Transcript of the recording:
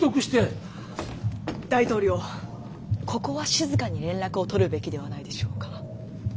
大統領ここはしずかに連絡を取るべきではないでしょうか。